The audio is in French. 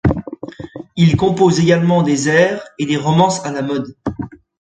Il compose également des airs et des romances à la mode.